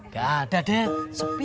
gak ada de sepi